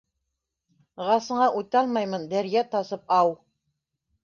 Ғасыңа үтә алмаймын дәръя тасып, ау...